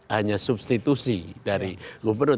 hanya substitusi dari gubernur